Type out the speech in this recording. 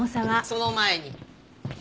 その前に。